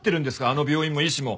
あの病院も医師も。